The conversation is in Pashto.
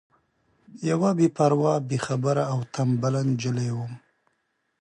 یوه بې پروا بې خبره او تنبله نجلۍ وم.